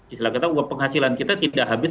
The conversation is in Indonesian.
islah kita uang penghasilan kita tidak habis habis